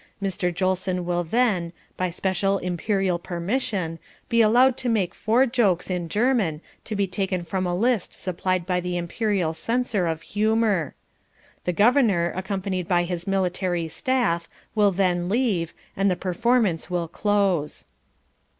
Mr. Jolson will then, by special (Imperial) permission, be allowed to make four jokes in German to be taken from a list supplied by the Imperial Censor of Humour. The Governor, accompanied by his military staff, will then leave, and the performance will close.